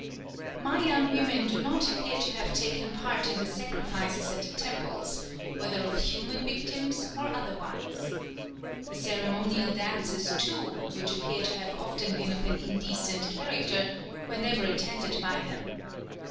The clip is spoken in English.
Mayan women do not appear to have taken part in the sacrifices at the temples, whether of human victims or otherwise. The ceremonial dances, too, which appear to have often been of an indecent character, were never attended by them.